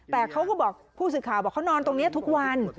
แต่เขาก็บอกผู้สื่อข่าวบอกเขานอนตรงนี้ทุกวัน